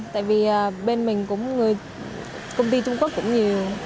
tại vì bên mình cũng công ty trung quốc cũng nhiều